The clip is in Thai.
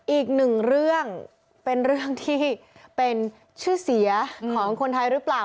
อีกหนึ่งเรื่องเป็นเรื่องที่เป็นชื่อเสียของคนไทยหรือเปล่า